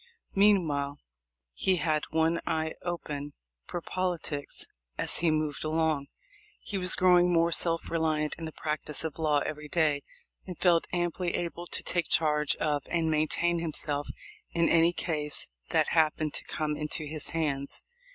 Meanwhile, he had one eye open for politics as he moved along. He was growing more self reliant in the practice of law every day, and felt amply able to take charge of and maintain himself in any case that happened to come into his hands.